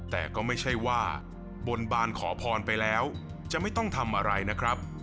แต่ก็ไม่ใช่ว่าบนบานขอพรไปแล้วจะไม่ต้องทำอะไรนะครับ